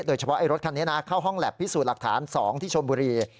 โดยเฉพาะรถคันนี้นะเข้าห้องแล็บพิสูจน์หลักฐาน๒ที่ชมบุรี